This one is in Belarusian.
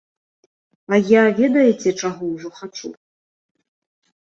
А я ведаеце чаго ўжо хачу?